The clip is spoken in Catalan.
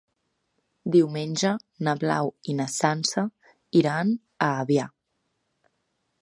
Diumenge na Blau i na Sança iran a Avià.